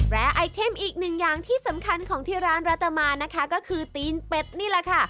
และไอเทมอีกหนึ่งอย่างที่สำคัญของที่ร้านรัตมานะคะก็คือตีนเป็ดนี่แหละค่ะ